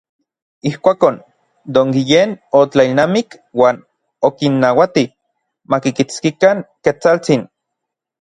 Ijkuakon, Don Guillén otlailnamik uan okinnauati makikitskikan Ketsaltsin.